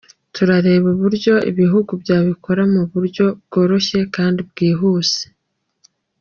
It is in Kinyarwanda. Turareba uburyo ibihugu byabikora mu buryo bworoshye kandi bwihuse.